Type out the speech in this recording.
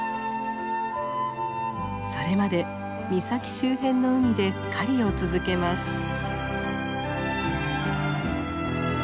それまで岬周辺の海で狩りを続けます。